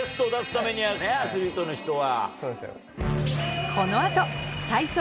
アスリートの人は。